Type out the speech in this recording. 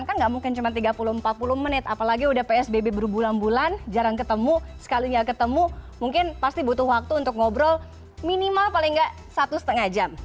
kan nggak mungkin cuma tiga puluh empat puluh menit apalagi udah psbb berbulan bulan jarang ketemu sekali nggak ketemu mungkin pasti butuh waktu untuk ngobrol minimal paling nggak satu setengah jam